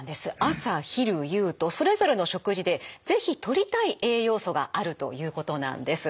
朝昼夕とそれぞれの食事で是非とりたい栄養素があるということなんです。